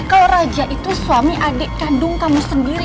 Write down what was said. kalau raja itu suami adik kandung kamu sendiri